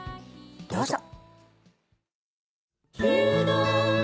どうぞ。